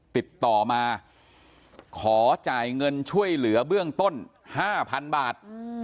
ติดต่อมาขอจ่ายเงินช่วยเหลือเบื้องต้น๕๐๐๐บาท